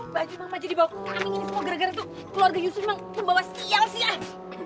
baju mama jadi bawa ke kami ini semua gara gara keluarga yusuf membawa siang sian